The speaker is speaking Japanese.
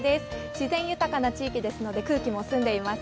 自然豊かな地域ですので、空気も澄んでいます。